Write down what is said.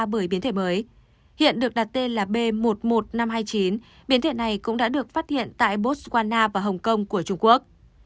bưởi biến thể mới hiện được đặt tên là b một mươi một nghìn năm trăm hai mươi chín biến thể này cũng đã được phát hiện tại botswana và hồng kông của trung quốc